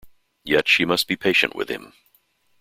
Yet she must be patient with him.